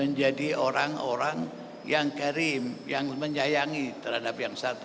menjadi orang orang yang karim yang menyayangi terhadap yang satu